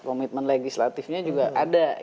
komitmen legislatifnya juga ada